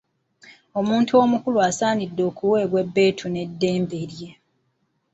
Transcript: Omuntu omukulu asaanidde okuweebwa ebbeetu ne ddembe lye.